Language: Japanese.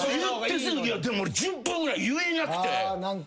でも俺１０分ぐらい言えなくて。